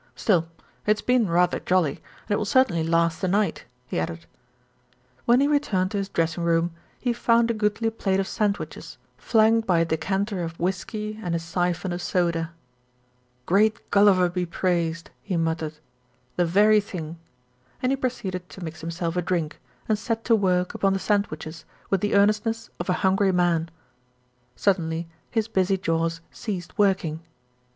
"Still, it's been rather jolly, and it will cer tainly last the night," he added. When he returned to his dressing room, he found a goodly plate of sandwiches, flanked by a decanter of whisky and a syphon of soda. "Great Gulliver be praised!" he muttered. "The very thing," and he proceeded to mix himself a drink, and set to work upon the sandwiches with the earnest ness of a hungry man. Suddenly his busy jaws ceased working.